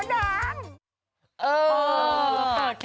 รอดแล้วค่ะมดดำ